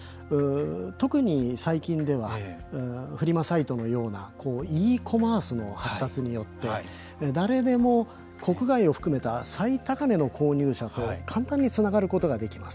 特に最近ではフリマサイトのようなｅコマースの発達によって誰でも国外を含めた最高値の購入者簡単につながることができます。